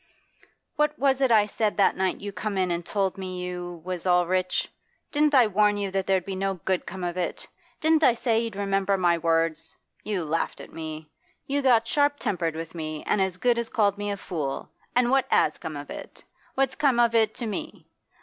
What was it I said that night you come in and told me you; was all rich? Didn't I warn you that there'd no good come of it? Didn't I say you'd remember my words? You laughed at me; you got sharp tempered with me an as good as called me a fool. An' what has come of it? What's come of it to me?